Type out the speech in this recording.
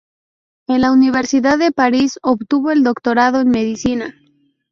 En la Universidad de París obtuvo el doctorado en Medicina.